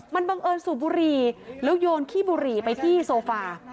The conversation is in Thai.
มันบังเอิญสูบบุหรี่แล้วโยนขี้บุหรี่ไปที่โซฟา